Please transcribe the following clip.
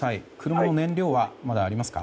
車の燃料は、まだありますか？